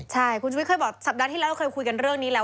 ใช่คุณชุวิตเคยบอกสัปดาห์ที่แล้วเราเคยคุยกันเรื่องนี้แล้ว